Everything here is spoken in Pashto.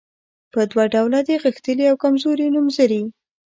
په دوه ډوله دي غښتلي او کمزوري نومځري.